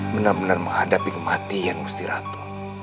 benar benar menghadapi kematian musti ratu